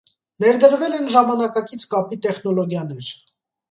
Ներդրվել են ժամանակակից կապի տեխնոլոգիաներ։